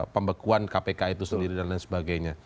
pembekuan kpk itu sendiri dan lain sebagainya